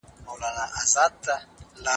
¬ هم فقر کوي، هم ئې خر لغتي وهي.